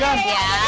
tuhan biasa aja ya